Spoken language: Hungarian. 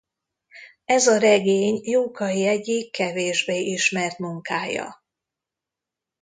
Ez a regény Jókai egyik kevésbé ismert munkája.